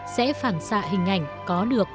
sẽ phản xạ hình ảnh có được